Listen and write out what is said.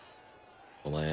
お前